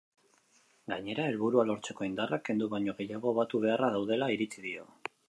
Gainera, helburua lortzeko indarrak kendu baino gehiago batu beharra daudela iritzi dio.